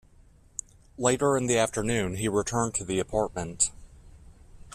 Later in the afternoon he returned to the apartment.